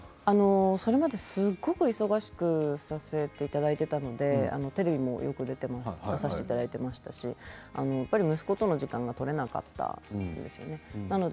それまですごく忙しくさせていただいていたのでテレビもよく出させていただいていましたしやっぱり息子との時間が取れなかったんですよね。